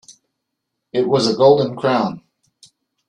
It was a golden crown.